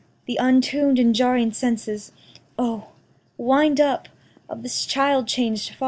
Th' untun'd and jarring senses, O, wind up Of this child changed father!